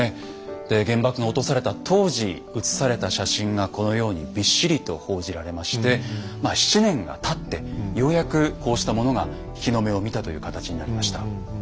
で原爆が落とされた当時写された写真がこのようにびっしりと報じられまして７年がたってようやくこうしたものが日の目を見たという形になりました。